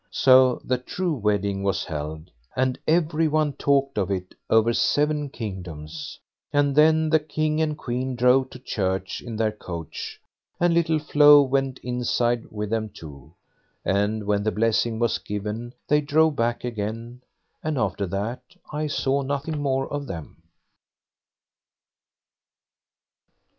So the true wedding was held, and every one talked of it over seven kingdoms; and then the King and Queen drove to church in their coach, and Little Flo went inside with them too, and when the blessing was given they drove back again, and after that I saw nothing more of them.